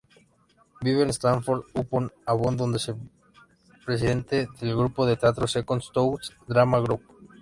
Vive en Stratford-upon-Avon, donde es presidente del grupo de teatro "Second Thoughts Drama Group".